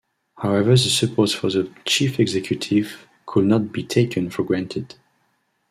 However the support for the chief executive could not be taken for granted.